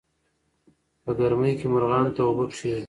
په ګرمۍ کې مارغانو ته اوبه کېږدئ.